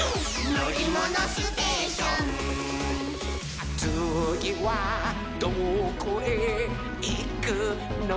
「のりものステーション」「つぎはどこへいくのかなほら」